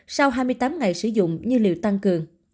sau hai mươi tám ngày sử dụng như liều tăng cường